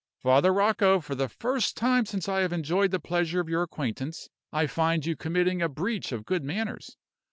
"Father Rocco, for the first time since I have enjoyed the pleasure of your acquaintance, I find you committing a breach of good manners.